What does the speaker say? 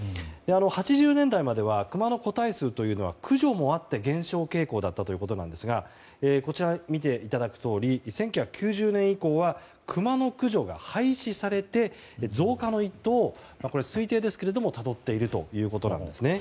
８０年代まではクマの個体数は駆除もあって減少傾向だったということなんですがこちら見ていただくとおり１９９０年以降はクマの駆除が廃止されて増加の一途を推定ですけどもたどっているということです。